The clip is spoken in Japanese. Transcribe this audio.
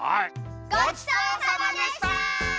ごちそうさまでした！